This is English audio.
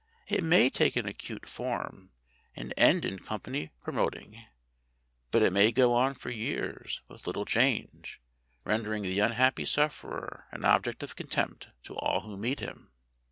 It may take an acute form, and end in company promoting; but it may go on for years with little change, rendering the unhappy sufferer an object of contempt to all who meet him.